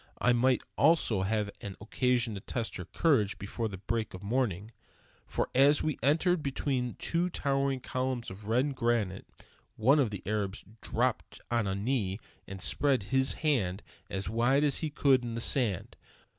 I might also have an occasion to test her courage before the break of morning, for as we entered between two towering columns of red granite, one of the Arabs dropped on a knee and spread his hand as wide as he could in the sand.